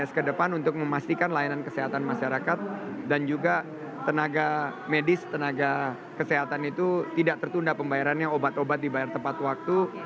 tugas ke depan untuk memastikan layanan kesehatan masyarakat dan juga tenaga medis tenaga kesehatan itu tidak tertunda pembayarannya obat obat dibayar tepat waktu